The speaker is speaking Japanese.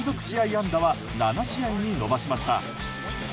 安打は７試合に伸ばしました。